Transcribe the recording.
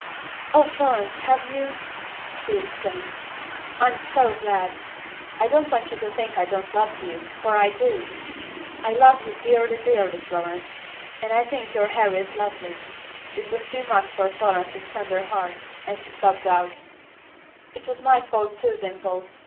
"Oh, Florence, have you?" she exclaimed. "I'm so glad. I don't want you to think I don't love you, for I do. I love you dearly, dearly, Florence, and I think your hair is lovely." This was too much for Florence's tender heart, and she sobbed out, "It was my fault too, Dimple.